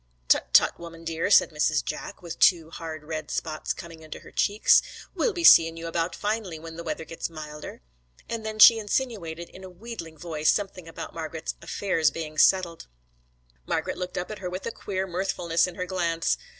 'Tut, tut, woman dear,' said Mrs. Jack, with two hard red spots coming into her cheeks, 'we'll be seein' you about finely when the weather gets milder.' And then she insinuated in a wheedling voice something about Margret's affairs being settled. Margret looked up at her with a queer mirthfulness in her glance.